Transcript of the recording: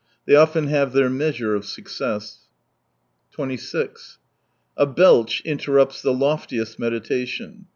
TheJ^ often have their measure of success. 26 A belch interrupts the loftiest meditation.